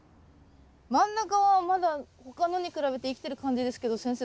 真ん中はまだ他のに比べて生きてる感じですけど先生